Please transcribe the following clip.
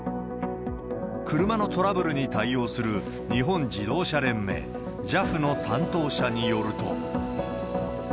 車のトラブルに対応する日本自動車連盟・ＪＡＦの担当者によると。